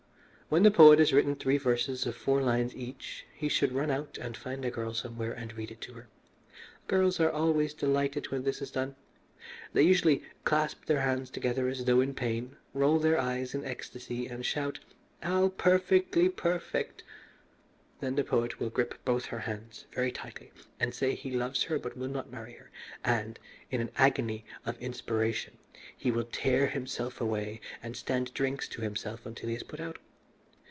When the poet has written three verses of four lines each he should run out and find a girl somewhere and read it to her. Girls are always delighted when this is done. They usually clasp their hands together as though in pain, roll their eyes in an ecstasy, and shout, 'How perfectly perfect!' Then the poet will grip both her hands very tightly and say he loves her but will not marry her, and, in an agony of inspiration, he will tear himself away and stand drinks to himself until he is put out.